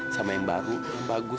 sama yang baru bagus